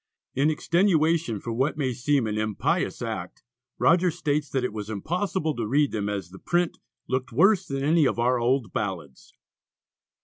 In extenuation for what may seem an impious act, Rogers states that it was impossible to read them as the print "looked worse than any of our old ballads."